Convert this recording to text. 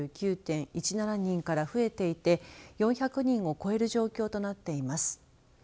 人から増えていて４００人を超える状況となっています。